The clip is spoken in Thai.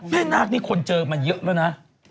นาคนี่คนเจอมาเยอะแล้วนะ